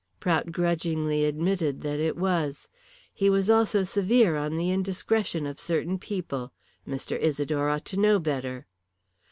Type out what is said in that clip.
Prout grudgingly admitted that it was. He was also severe on the indiscretion of certain people. Mr. Isidore ought to know better.